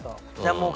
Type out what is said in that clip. もう。